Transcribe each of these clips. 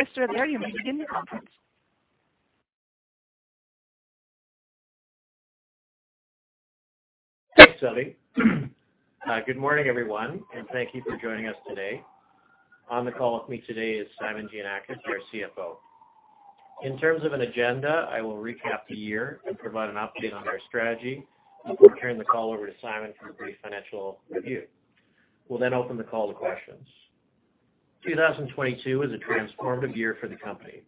Mr. Adair, you may begin your conference. Thanks, Abby. Good morning, everyone, and thank you for joining us today. On the call with me today is Simon Giannakis, our CFO. In terms of an agenda, I will recap the year and provide an update on our strategy before turning the call over to Simon for a brief financial review. We'll open the call to questions. 2022 was a transformative year for the company.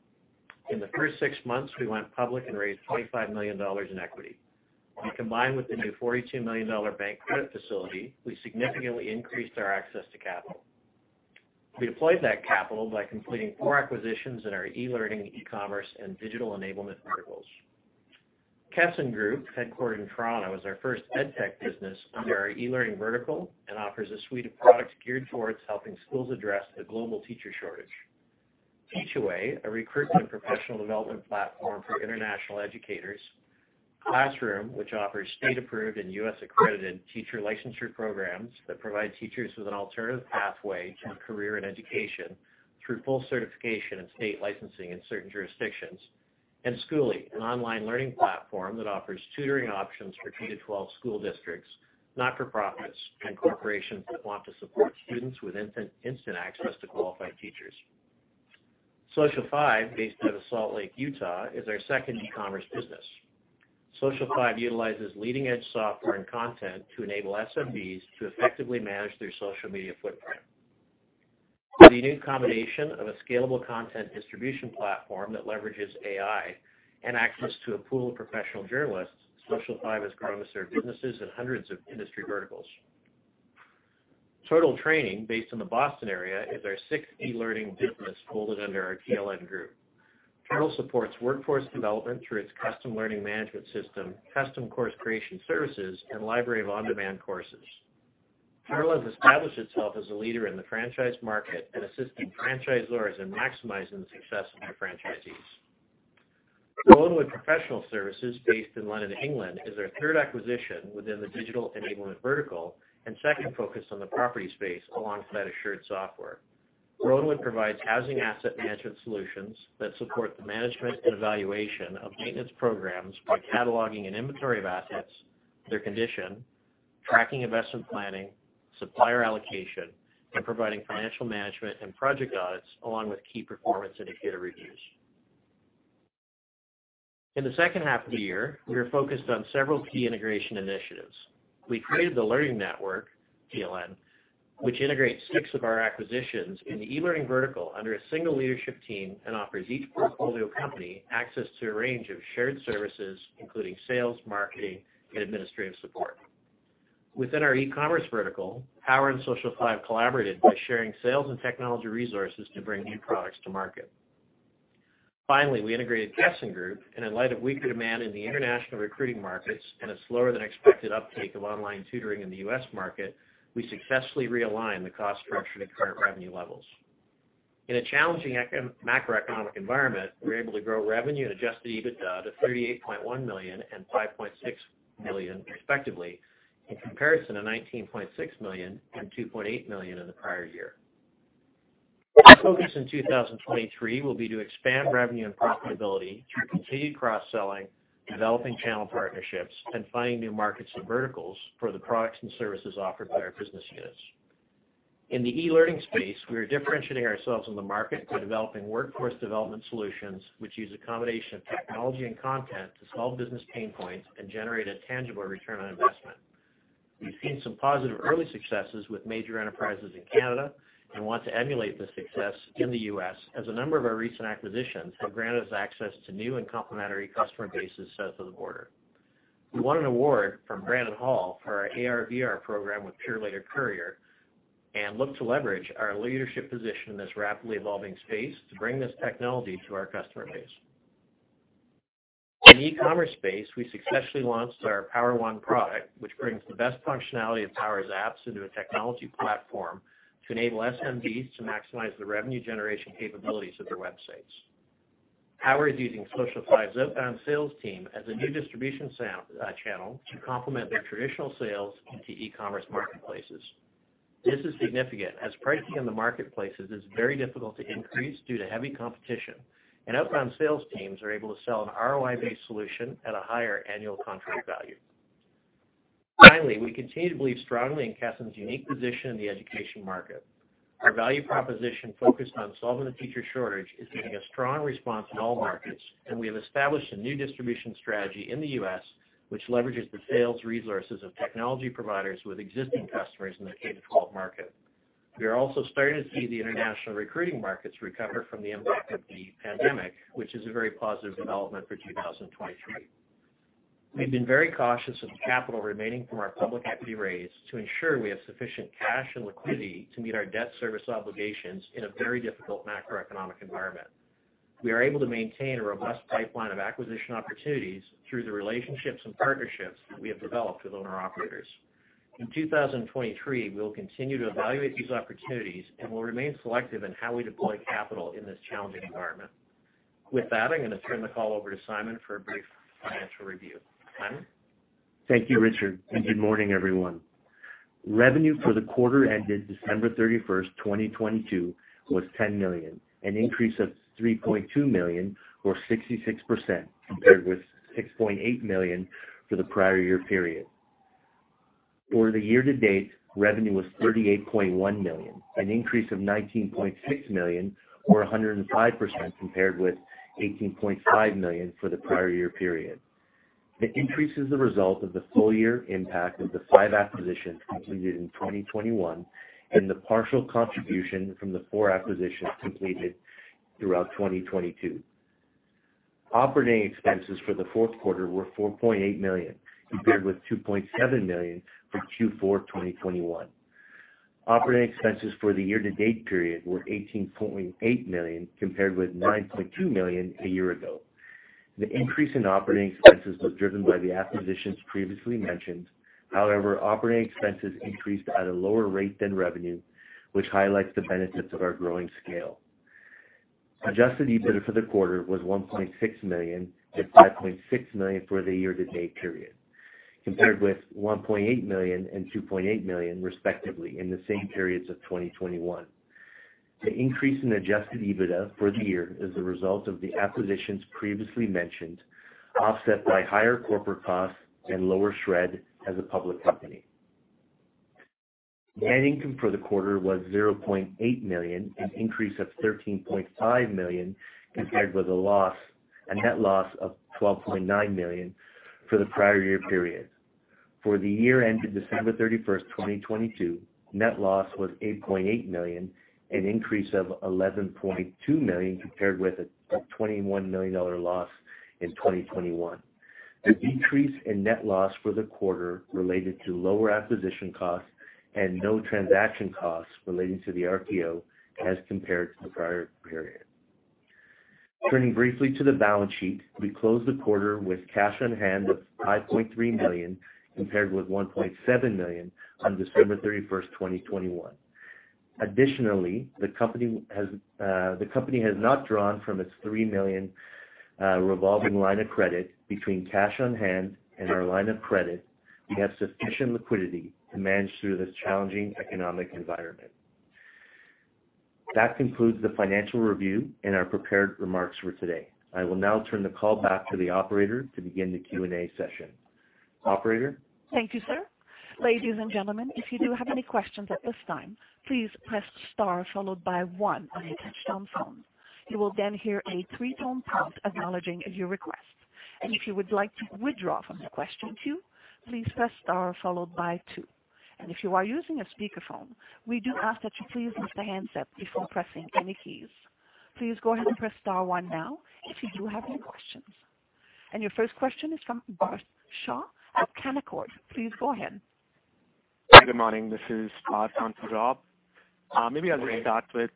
In the first 6 months, we went public and raised 25 million dollars in equity. When combined with the new 42 million dollar bank credit facility, we significantly increased our access to capital. We deployed that capital by completing 4 acquisitions in our eLearning, eCommerce, and Digital Enablement verticals. Kesson Group, headquartered in Toronto, is our first EdTech business under our eLearning vertical and offers a suite of products geared towards helping schools address the global teacher shortage. Teach Away, a recruitment professional development platform for international educators. Klassroom, which offers state-approved and US-accredited teacher licensure programs that provide teachers with an alternative pathway to a career in education through full certification and state licensing in certain jurisdictions. Skooli, an online learning platform that offers tutoring options for 2 to 12 school districts, not-for-profits, and corporations that want to support students with instant access to qualified teachers. Social5, based out of Salt Lake, Utah, is our second eCommerce business. Social5 utilizes leading-edge software and content to enable SMBs to effectively manage their social media footprint. With a unique combination of a scalable content distribution platform that leverages AI and access to a pool of professional journalists, Social5 has grown to serve businesses in hundreds of industry verticals. Total Training, based in the Boston area, is our sixth eLearning business folded under our TLN group. Total supports workforce development through its custom learning management system, custom course creation services, and library of on-demand courses. Total has established itself as a leader in the franchise market and assisting franchisors in maximizing the success of their franchisees. Rowanwood Professional Services, based in London, England, is our third acquisition within the Digital Enablement vertical and second focus on the property space alongside Assured Software. Rowanwood provides housing asset management solutions that support the management and evaluation of maintenance programs by cataloging an inventory of assets, their condition, tracking investment planning, supplier allocation, and providing financial management and project audits along with key performance indicator reviews. In the second half of the year, we are focused on several key integration initiatives. We created The Learning Network, TLN, which integrates six of our acquisitions in the eLearning vertical under a single leadership team and offers each portfolio company access to a range of shared services, including sales, marketing, and administrative support. Within our eCommerce vertical, POWR and Social5 collaborated by sharing sales and technology resources to bring new products to market. Finally, we integrated Kesson Group, and in light of weaker demand in the international recruiting markets and a slower than expected uptake of online tutoring in the U.S. market, we successfully realigned the cost structure to current revenue levels. In a challenging macroeconomic environment, we were able to grow revenue and Adjusted EBITDA to $38.1 million and $5.6 million respectively, in comparison to $19.6 million and $2.8 million in the prior year. Our focus in 2023 will be to expand revenue and profitability through continued cross-selling, developing channel partnerships, and finding new markets and verticals for the products and services offered by our business units. In the eLearning space, we are differentiating ourselves in the market by developing workforce development solutions which use a combination of technology and content to solve business pain points and generate a tangible return on investment. We've seen some positive early successes with major enterprises in Canada and want to emulate the success in the U.S. as a number of our recent acquisitions have granted us access to new and complementary customer bases south of the border. We won an award from Brandon Hall for our AR/VR program with Purolator Courier and look to leverage our leadership position in this rapidly evolving space to bring this technology to our customer base. In the eCommerce space, we successfully launched our POWR One product, which brings the best functionality of POWR's apps into a technology platform to enable SMBs to maximize the revenue generation capabilities of their websites. POWR is using Social5's outbound sales team as a new distribution sound channel to complement their traditional sales into eCommerce marketplaces. This is significant as pricing in the marketplaces is very difficult to increase due to heavy competition, and outbound sales teams are able to sell an ROI-based solution at a higher annual contract value. Finally, we continue to believe strongly in Kesson's unique position in the education market. Our value proposition focused on solving the teacher shortage is getting a strong response in all markets, and we have established a new distribution strategy in the U.S. which leverages the sales resources of technology providers with existing customers in the K-12 market. We are also starting to see the international recruiting markets recover from the impact of the pandemic, which is a very positive development for 2023. We've been very cautious of the capital remaining from our public equity raise to ensure we have sufficient cash and liquidity to meet our debt service obligations in a very difficult macroeconomic environment. We are able to maintain a robust pipeline of acquisition opportunities through the relationships and partnerships that we have developed with owner-operators. In 2023, we will continue to evaluate these opportunities and will remain selective in how we deploy capital in this challenging environment. With that, I'm gonna turn the call over to Simon for a brief financial review. Simon? Thank you, Richard, and good morning, everyone. Revenue for the quarter ended December 31, 2022 was 10 million, an increase of 3.2 million or 66% compared with 6.8 million for the prior year period. For the year to date, revenue was 38.1 million, an increase of 19.6 million or 105% compared with 18.5 million for the prior year period. The increase is the result of the full year impact of the 5 acquisitions completed in 2021 and the partial contribution from the 4 acquisitions completed throughout 2022. Operating expenses for the fourth quarter were 4.8 million compared with 2.7 million for Q4 2021. Operating expenses for the year to date period were 18.8 million compared with 9.2 million a year ago. The increase in operating expenses was driven by the acquisitions previously mentioned. However, operating expenses increased at a lower rate than revenue, which highlights the benefits of our growing scale. Adjusted EBITDA for the quarter was 1.6 million and 5.6 million for the year to date period, compared with 1.8 million and 2.8 million, respectively, in the same periods of 2021. The increase in Adjusted EBITDA for the year is the result of the acquisitions previously mentioned, offset by higher corporate costs and lower SRED as a public company. Net income for the quarter was 0.8 million, an increase of 13.5 million compared with a net loss of 12.9 million for the prior year period. For the year ended December 31st, 2022, net loss was CAD 8.8 million, an increase of CAD 11.2 million compared with a CAD 21 million loss in 2021. The decrease in net loss for the quarter related to lower acquisition costs and no transaction costs relating to the RTO as compared to the prior period. Turning briefly to the balance sheet, we closed the quarter with cash on hand of 5.3 million compared with 1.7 million on December 31st, 2021. The company has not drawn from its 3 million revolving line of credit between cash on hand and our line of credit. We have sufficient liquidity to manage through this challenging economic environment. That concludes the financial review and our prepared remarks for today. I will now turn the call back to the Operator to begin the Q&A session. Operator? Thank you, sir. Ladies and gentlemen, if you do have any questions at this time, please press star followed by 1 on your touchtone phone. You will then hear a 3-tone pulse acknowledging your request. If you would like to withdraw from the question queue, please press star followed by 2. If you are using a speakerphone, we do ask that you please lift the handset before pressing any keys. Please go ahead and press star 1 now if you do have any questions. Your first question is from Bart Shaw at Canaccord. Please go ahead. Good morning. This is Bart. On for Rob. Maybe I'll just start with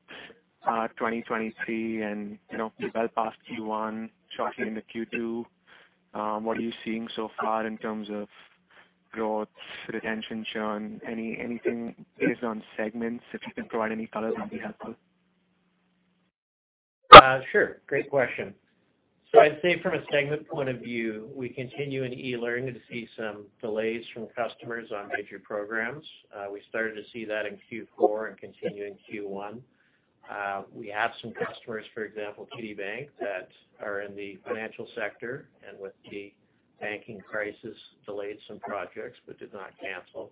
2023 and, you know, we're well past Q1, shortly into Q2. What are you seeing so far in terms of growth, retention, churn, anything based on segments? If you can provide any color that'd be helpful. Sure. Great question. I'd say from a segment point of view, we continue in eLearning to see some delays from customers on major programs. We started to see that in Q4 and continue in Q1. We have some customers, for example, TD Bank, that are in the financial sector and with the banking crisis delayed some projects but did not cancel.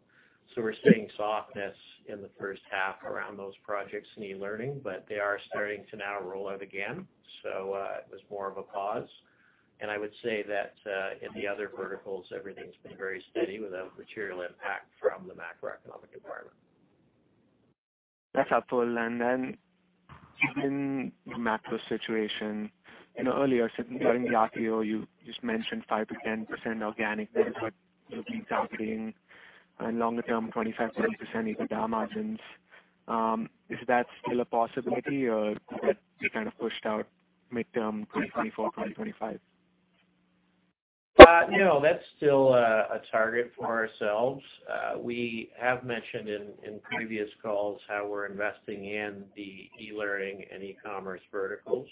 We're seeing softness in the first half around those projects in eLearning, but they are starting to now roll out again. It was more of a pause. I would say that, in the other verticals, everything's been very steady without material impact from the macroeconomic environment. That's helpful. Given the macro situation, you know, earlier during the RTO, you just mentioned 5%-10% organic. That is what you'll be targeting and longer term, 25%-30% EBITDA margins. Is that still a possibility or could that be kind of pushed out mid-term, 2024, 2025? No, that's still a target for ourselves. We have mentioned in previous calls how we're investing in the eLearning and eCommerce verticals.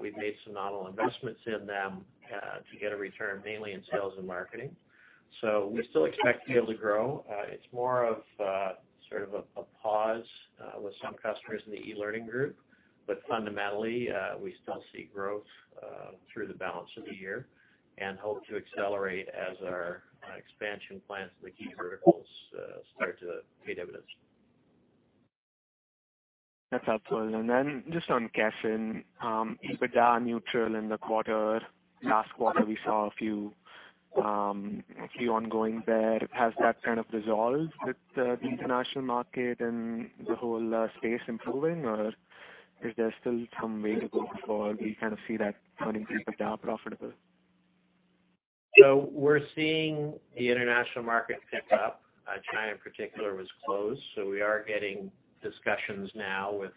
We've made some novel investments in them to get a return mainly in sales and marketing. We still expect to be able to grow. It's more of a sort of a pause with some customers in the eLearning group. Fundamentally, we still see growth through the balance of the year and hope to accelerate as our expansion plans in the key verticals start to pay dividends. That's helpful. Just on cash and EBITDA neutral in the quarter. Last quarter, we saw a few, a few ongoing there. Has that kind of resolved with the international market and the whole space improving, or is there still some way to go before we kind of see that turning EBITDA profitable? We're seeing the international market pick up. China in particular was closed, so we are getting discussions now with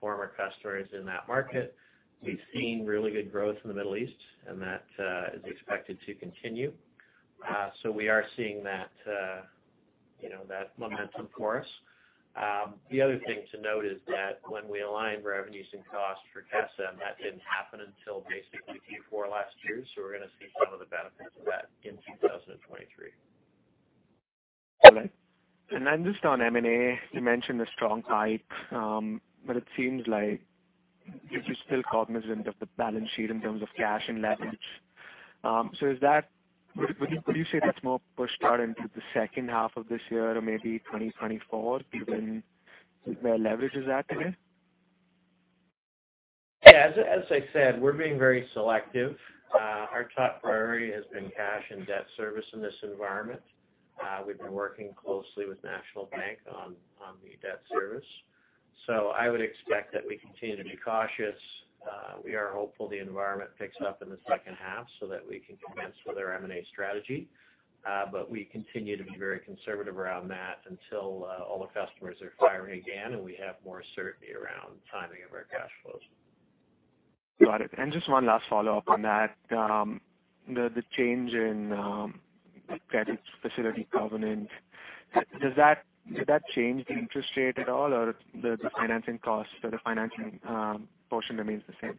former customers in that market. We've seen really good growth in the Middle East, and that is expected to continue. We are seeing that, you know, that momentum for us. The other thing to note is that when we align revenues and costs for Kesson, that didn't happen until basically Q4 last year, so we're gonna see some of the benefits of that in 2023. All right. Just on M&A, you mentioned the strong type, but it seems like you're still cognizant of the balance sheet in terms of cash and leverage. Would you say that's more pushed out into the second half of this year or maybe 2024 given where leverage is at today? Yeah. As I said, we're being very selective. Our top priority has been cash and debt service in this environment. We've been working closely with National Bank on the debt service. I would expect that we continue to be cautious. We are hopeful the environment picks up in the second half so that we can commence with our M&A strategy. We continue to be very conservative around that until all the customers are firing again and we have more certainty around timing of our cash flows. Got it. Just one last follow-up on that. The change in credit facility covenant, did that change the interest rate at all or the financing cost or the financing portion remains the same?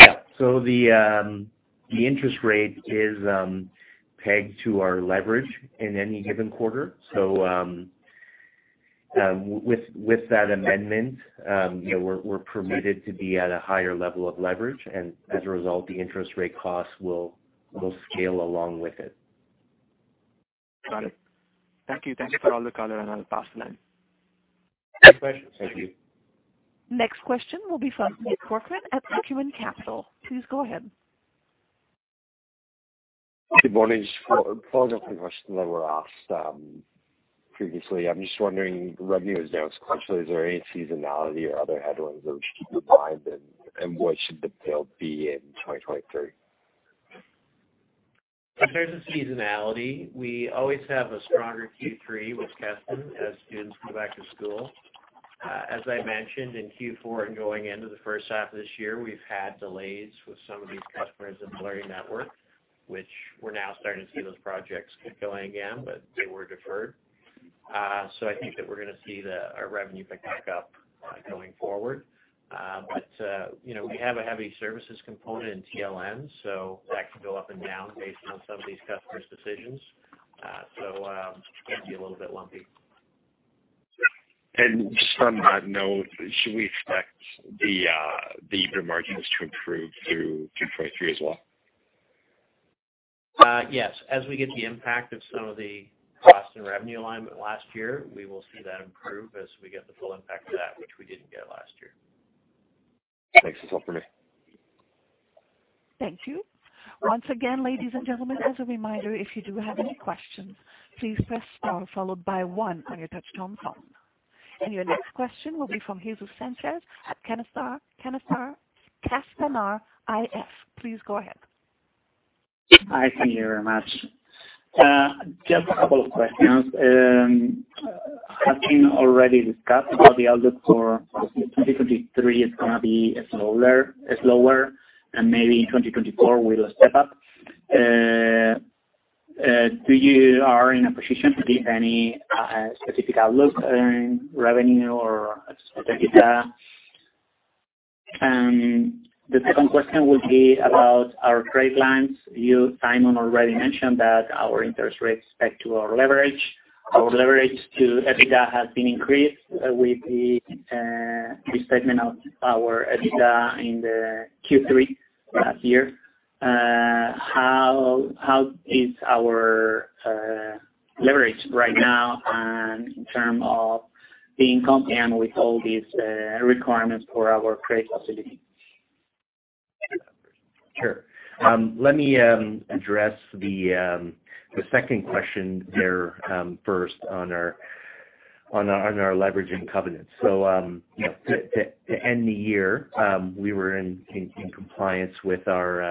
Yeah. The interest rate is pegged to our leverage in any given quarter. With that amendment, you know, we're permitted to be at a higher level of leverage. As a result, the interest rate cost will scale along with it. Got it. Thank you. Thanks for all the color. I'll pass the line. Great. Thank you. Next question will be from Nick Corkum at Acumen Capital. Please go ahead. Good morning. Just following up the questions that were asked previously. I'm just wondering, revenue is down sequentially. Is there any seasonality or other headwinds that we should keep in mind and what should the tail be in 2023? In terms of seasonality, we always have a stronger Q3 with Kesson as students go back to school. As I mentioned in Q4 and going into the first half of this year, we've had delays with some of these customers in The Learning Network, which we're now starting to see those projects get going again, but they were deferred. I think that we're gonna see the, our revenue pick back up, going forward. You know, we have a heavy services component in TLN, so that can go up and down based on some of these customers' decisions. It's gonna be a little bit lumpy. Just on that note, should we expect the EBITDA margins to improve through 2023 as well? Yes. As we get the impact of some of the cost and revenue alignment last year, we will see that improve as we get the full impact of that, which we didn't get last year. Thanks. That's all for me. Thank you. Once again, ladies and gentlemen, as a reminder, if you do have any questions, please press star followed by one on your touchtone phone. Your next question will be from Jesus Sanchez at Canaccord Genuity. Please go ahead. Hi. Thank you very much. Just a couple of questions. Having already discussed about the outlook for 2023 is gonna be slower and maybe in 2024 will step up. Do you are in a position to give any specific outlook in revenue or EBITDA? The second question would be about our credit lines. You, Simon, already mentioned that our interest rates back to our leverage. Our leverage to EBITDA has been increased with the restatement of our EBITDA in the Q3 last year. How is our leverage right now and in term of being compliant with all these requirements for our credit facility? Sure. Let me address the second question there, first on our leverage and covenants. You know, to end the year, we were in compliance with our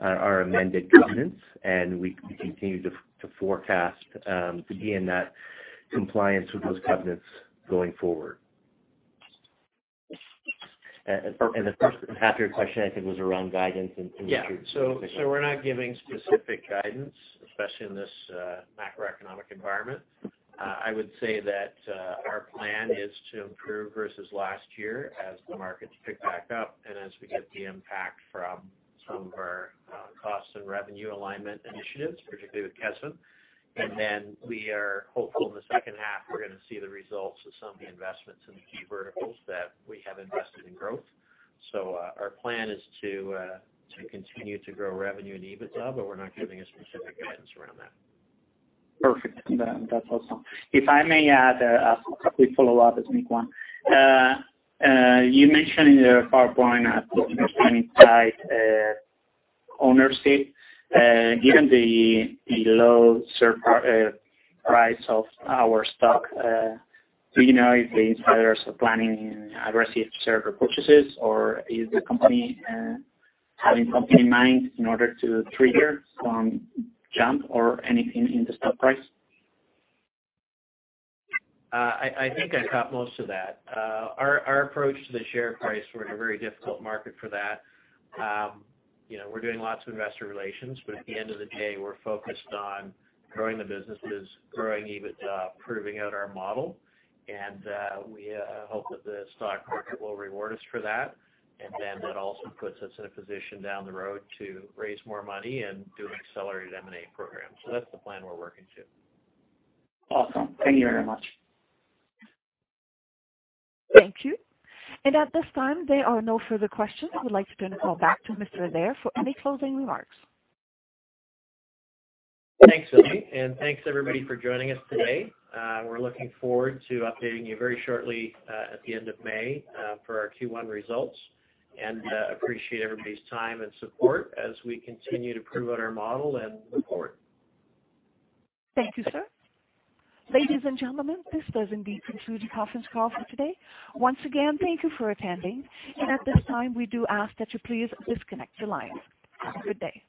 amended covenants, and we continue to forecast, to be in that compliance with those covenants going forward. The first half of your question, I think, was around guidance and. We're not giving specific guidance, especially in this macroeconomic environment. I would say that our plan is to improve versus last year as the markets pick back up and as we get the impact from some of our cost and revenue alignment initiatives, particularly with Kesson Group. We are hopeful in the second half we're gonna see the results of some of the investments in the key verticals that we have invested in growth. Our plan is to continue to grow revenue and EBITDA, but we're not giving a specific guidance around that. Perfect. That's awesome. If I may add a quick follow-up to Nick one. You mentioned in your PowerPoint about insider ownership. Given the low share price of our stock, do you know if the insiders are planning aggressive share repurchases or is the company having something in mind in order to trigger some jump or anything in the stock price? I think I caught most of that. Our approach to the share price, we're in a very difficult market for that. You know, we're doing lots of investor relations, but at the end of the day, we're focused on growing the businesses, growing EBITDA, proving out our model. We hope that the stock market will reward us for that. That also puts us in a position down the road to raise more money and do an accelerated M&A program. That's the plan we're working to. Awesome. Thank you very much. Thank you. At this time, there are no further questions. I would like to turn the call back to Mr. Adair for any closing remarks. Thanks, Lily. Thanks, everybody, for joining us today. We're looking forward to updating you very shortly, at the end of May, for our Q1 results. Appreciate everybody's time and support as we continue to prove out our model and move forward. Thank you, sir. Ladies and gentlemen, this does indeed conclude conference call for today. Once again, thank you for attending. At this time, we do ask that you please disconnect your lines. Have a good day.